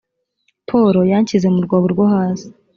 polo yanshyize mu rwobo rwo hasi